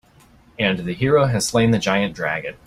And the hero has slain the giant dragon.